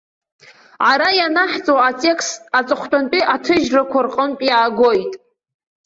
Ара ианаҳҵо атекст аҵыхәтәантәи аҭыжьрақәа рҟынтә иаагоит.